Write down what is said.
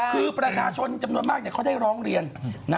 คือประชาชนจำนวนมากเขาได้ร้องเรียน